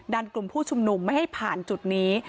กลุ่มผู้ชุมนุมไม่ให้ผ่านจุดนี้